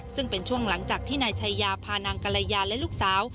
ซึ่งเป็นช่วงหลังจากที่นายชายาพานางกรยาและลูกสาว